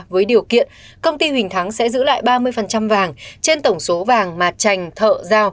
với điều kiện công ty huỳnh thắng sẽ giữ lại ba mươi vàng trên tổng số vàng mà trành thợ giao